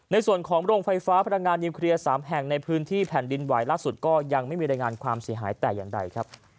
ในส่วนของโรงไฟฟ้าพลังงานนิวเคลียร์๓แห่งในพื้นที่แผ่นดินไหวล่าสุดก็ยังไม่มีรายงานความเสียหายแต่อย่างใดครับ